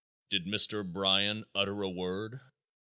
Did Mr. Bryan utter a word?